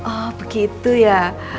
oh begitu ya